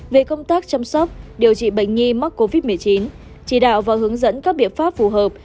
về công tác chăm sóc điều trị bệnh nhi mắc covid một mươi chín chỉ đạo và hướng dẫn các biện pháp phù hợp